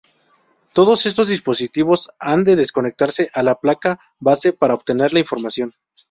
Todos estos dispositivos han de conectarse a la placa base para obtener la información.